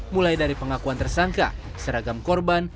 mulai dari pengakuan tersangka seragam korban